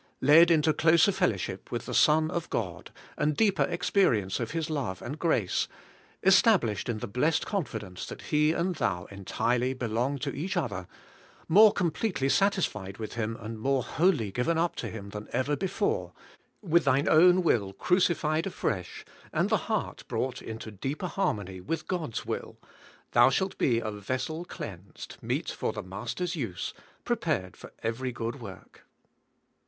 Led into closer fellowship with the Son of God, and deeper experience of His love and grace, — estab lished in the blessed confidence that He and thou en tirely belong to each other, — more completely satisfied with Him and more wholly given up to Him than ever before, — ^with thine own will crucified afresh, and the heart brought into deeper harmony with God's will, — thou shalt be a vessel cleansed, meet for the Master's use, prepared for every good work.